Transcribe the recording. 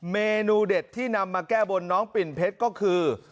เมนูเด็ดที่นำมาแก้บนน้องปิ่นเพชรก็คือ